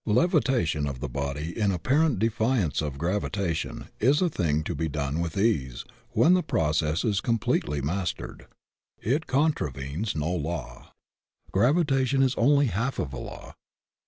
Levitation of the body in apparent defiance of gravitation is a thing to be done with ease when the process is completely mastered. It contravenes no law. Gravitation is only half of a law.